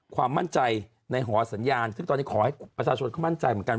ความมั่นใจในหอสัญญาณซึ่งตอนนี้ขอให้ประชาชนเขามั่นใจเหมือนกัน